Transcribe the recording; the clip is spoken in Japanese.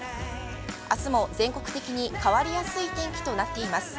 あすも全国的に変わりやすい天気となっています。